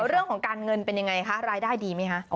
เรื่องของการเงินเป็นยังไงคะรายได้ดีไหมคะ